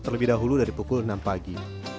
terlebih dahulu dari pukul enam pagi